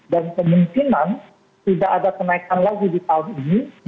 dan kemungkinan tidak ada kenaikan lagi di tahun ini